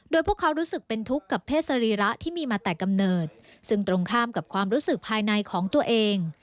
โดยพวกเขารู้สึกเป็นทุกข์กับเพศสรีระที่มีมาแต่กำเนิดซึ่งตรงข้ามกับความรู้สึกภายในของตัวเอง